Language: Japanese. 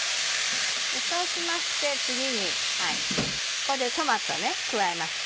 そうしまして次にここでトマト加えます。